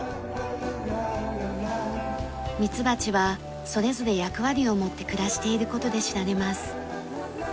ミツバチはそれぞれ役割を持って暮らしている事で知られます。